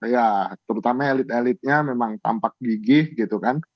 ya terutama elit elitnya memang tampak gigih gitu kan